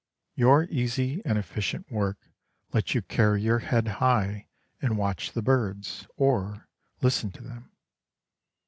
Your easy and efficient work lets you carry your head high and watch the birds, or listen to them.